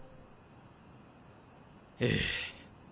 ええ。